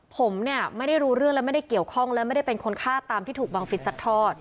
ผมเนี่ยไม่ได้รู้เรื่องและไม่ได้เกี่ยวข้องและไม่ได้เป็นคนฆ่าตามที่ถูกบังฟิศซัดทอด